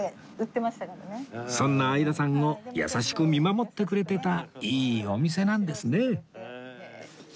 そんな相田さんを優しく見守ってくれてたいいお店なんですね